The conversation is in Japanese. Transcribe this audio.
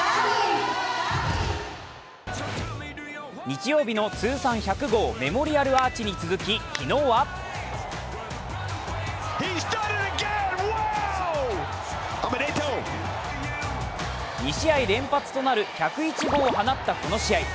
日曜日の通算１００号メモリアルアーチに続き、昨日は２試合連発となる１０１号を放ったこの試合。